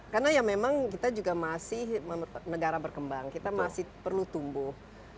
karena ya memang kita juga masih negara berkembang kita masih perlu tumbuh